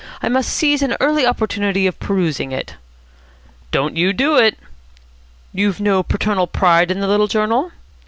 I must seize an early opportunity of perusing it." "Don't you do it." "You've no paternal pride in the little journal?"